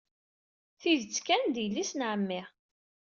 Tidet kan, d yelli-s n ɛemmi.